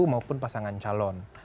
maupun pasangan calon